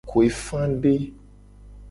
Kuefade.